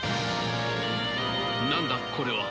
なんだこれは！